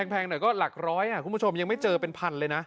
แพงหน่อยก็หลักร้อยคุณผู้ชมยังไม่เจอเป็นพันเลยนะ